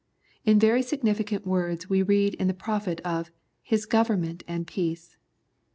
In very significant words we read in the prophet of " His government and peace."